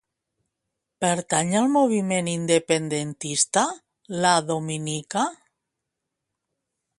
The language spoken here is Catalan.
Pertany al moviment independentista la Dominica?